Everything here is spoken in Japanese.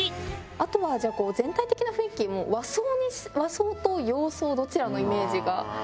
あとはじゃあこう全体的な雰囲気和装と洋装どちらのイメージが？